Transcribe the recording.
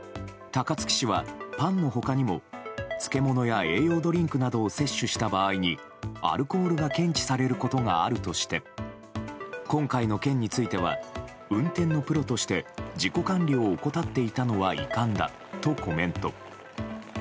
高槻市はパンの他にも漬物や栄養ドリンクなどを摂取した場合に、アルコールが検知されることがあるとして今回の件については運転のプロとして自己管理を怠っていたのは遺憾だとコメント。